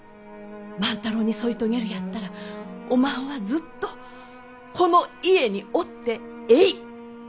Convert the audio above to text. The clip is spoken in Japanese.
万太郎に添い遂げるやったらおまんはずっとこの家におってえい。